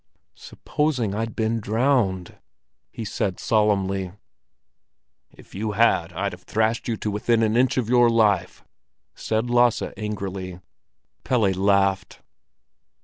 "Supposing I'd been drowned!" he said solemnly. "If you had, I'd have thrashed you to within an inch of your life," said Lasse angrily. Pelle laughed.